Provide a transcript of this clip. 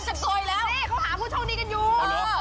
พร้อมที่จะโกยหรือ